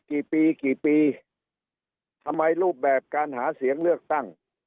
กี่ปีกี่ปีทำไมรูปแบบการหาเสียงเลือกตั้ง